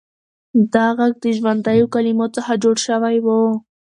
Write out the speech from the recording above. دا غږ د ژوندیو کلمو څخه جوړ شوی و.